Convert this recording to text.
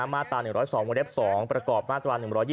มาด่า๑๐๒โมเลฟ๒ประกอบมาด่า๑๒๗